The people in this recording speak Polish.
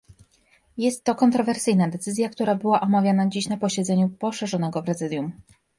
Jest to kontrowersyjna decyzja, która była omawiana dziś na posiedzeniu poszerzonego prezydium